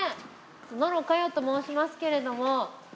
野呂佳代と申しますけれども。